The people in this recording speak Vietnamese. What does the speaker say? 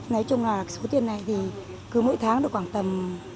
nói chung là số tiền này thì cứ mỗi tháng được khoảng tầm